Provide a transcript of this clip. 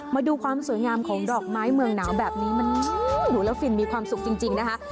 มาดูความสวยงามของดอกไม้เมืองหนาวแบบนี้มันดูแล้วฟินมีความสุขจริงนะคะ